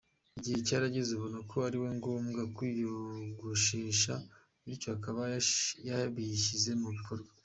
Igihe cyarageze abona ko ari ngombwa kwiyogoshesha , bityo akaba yabishyize mu bikorwa.